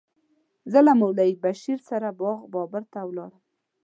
زه له مولوي بشیر سره باغ بابر ته ولاړم.